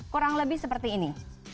kurang lebih seperti ini